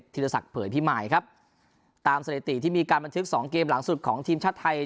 ธิรศักดิ์เผยพิมายครับตามสถิติที่มีการบันทึกสองเกมหลังสุดของทีมชาติไทย